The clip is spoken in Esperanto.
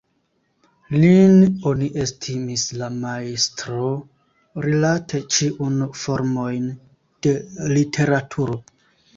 Lin oni estimis la majstro rilate ĉiun formojn de literaturo.